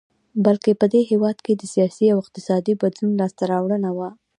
بلکې په دې هېواد کې د سیاسي او اقتصادي بدلون لاسته راوړنه وه.